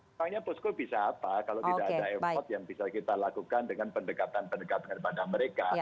misalnya posko bisa apa kalau tidak ada effort yang bisa kita lakukan dengan pendekatan pendekatan kepada mereka